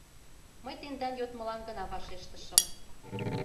Мый тендан йодмылан гына вашештышым.